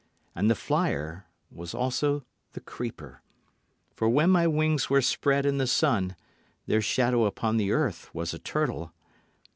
And the flier was also the creeper; For when my wings were spread in the sun their shadow upon the earth was a turtle.